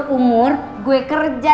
seumur umur gue kerja